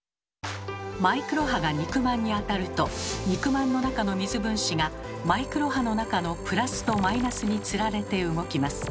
マイクロ波が肉まんに当たると肉まんの中の水分子がマイクロ波の中のプラスとマイナスにつられて動きます。